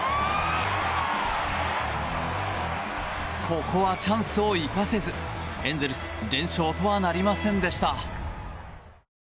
ここはチャンスを生かせずエンゼルス連勝とはなりませんでした。